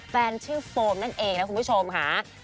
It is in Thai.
แฟนชื่อโฟมนั่นเองนะคุณผู้ชมค่ะ